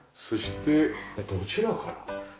そしてどちらから？